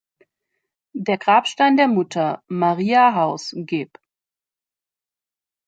Der Grabstein der Mutter, Marija Haus, geb.